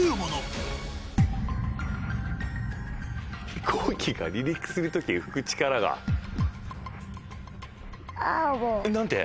飛行機が離陸する時浮く力が？何て？